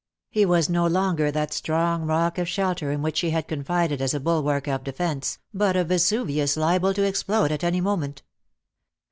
He was no longer that strong rock of shelter in which she had confided as a bulwark of defence, but a Vesuvius liable to explode at any moment.